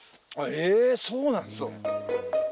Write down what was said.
えそうなんですね。